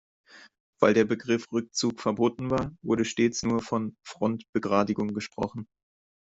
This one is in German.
Weil der Begriff Rückzug verboten war, wurde stets nur von Frontbegradigung gesprochen.